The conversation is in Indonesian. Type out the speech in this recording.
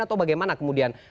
atau bagaimana kemudian